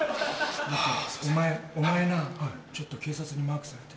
あとお前お前なちょっと警察にマークされてる。